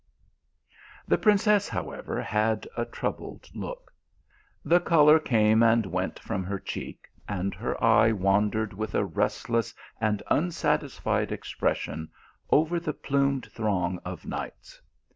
The princess, however, had a troubled look. The colour came and went from her cheek, and her eye wandered with a restless and unsatisfied expression over the plumed throng of knights.